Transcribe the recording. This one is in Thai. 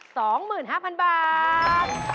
ถูกกว่า